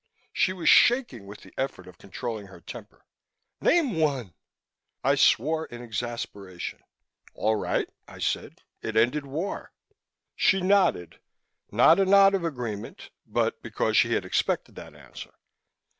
_" She was shaking with the effort of controlling her temper. "Name one!" I swore in exasperation. "All right," I said. "It ended war." She nodded not a nod of agreement, but because she had expected that answer.